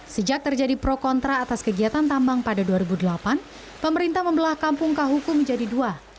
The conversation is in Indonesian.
sejak terjadi pro kontra atas kegiatan tambang pada dua ribu delapan pemerintah membelah kampung kahukum menjadi dua